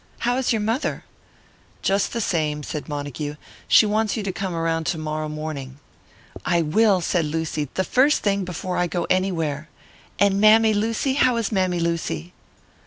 How is your mother?" "Just the same," said Montague; "she wants you to come around to morrow morning." "I will," said Lucy, "the first thing, before I go anywhere. And Mammy Lucy! How is Mammy Lucy?"